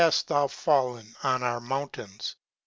How haft thou fallen on our mountains